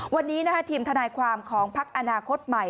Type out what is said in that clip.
วันนี้นะฮะทีมทนายความของภักดิ์อนาคตใหม่